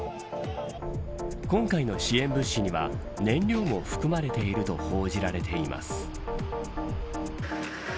今回の支援物資には燃料も含まれていると報じられています。